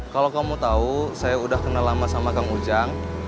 kalau kamu tahu saya udah kenal lama sama kang ujang